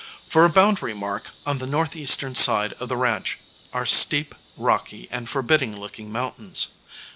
For a boundary mark on the northeastern side of the ranch, are steep, rocky and forbidding looking mountains.